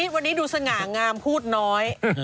วันนี้ดูสง่างามพูดน้อย